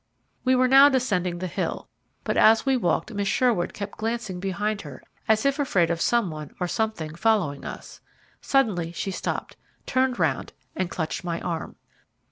We were now descending the hill, but as we walked Miss Sherwood kept glancing behind her as if afraid of some one or something following us. Suddenly she stopped, turned round and clutched my arm.